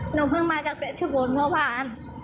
หนูเพิ่งมาจากเจ็บชะโกนเมื่อผ่าน